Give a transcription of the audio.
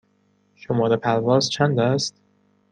شماره پرواز چند است؟